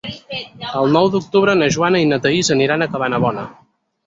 El nou d'octubre na Joana i na Thaís aniran a Cabanabona.